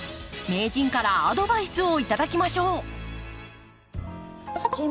名人からアドバイスを頂きましょう。